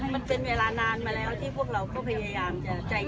มันเป็นเวลานานมาแล้วที่พวกเราก็พยายามจะใจ